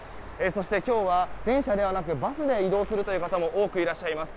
そして、今日は電車ではなくバスで移動する方も多くいらっしゃいます。